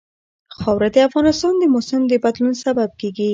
خاوره د افغانستان د موسم د بدلون سبب کېږي.